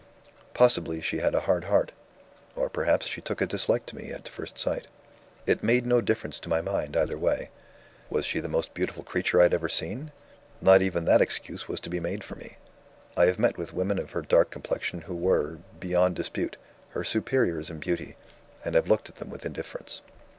Possibly she had a hard heart? or perhaps she took a dislike to me, at first sight? It made no difference to my mind, either way. Was she the most beautiful creature I had ever seen? Not even that excuse was to be made for me. I have met with women of her dark complexion who were, beyond dispute, her superiors in beauty, and have looked at them with indifference.